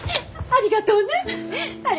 ありがとう！